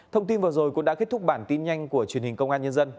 thông tin vừa rồi cũng đã kết thúc bản tin nhanh của truyền hình công an nhân dân